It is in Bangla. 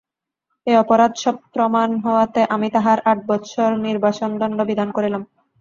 এই অপরাধ সপ্রমাণ হওয়াতে আমি তাঁহার আট বৎসর নির্বাসনদণ্ড বিধান করিলাম।